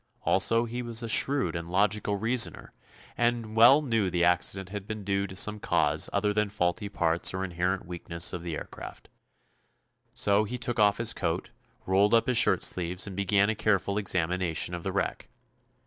Also, he was a shrewd and logical reasoner, and well knew the accident had been due to some cause other than faulty parts or inherent weakness of the aircraft. So he took off his coat, rolled up his shirt sleeves and began a careful examination of the wreck.